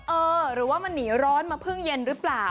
เออหรือว่ามันหนีร้อนมาเพิ่งเย็นหรือเปล่า